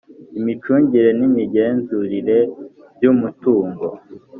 imicungire n imigenzurire by umutungo